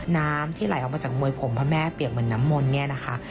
น้ำที่ไหลออกมาจากมวยผมพระแม่เปรียบเหมือนน้ำมนต์เนี่ยนะคะ